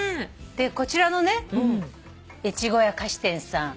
こちらの越後屋菓子店さん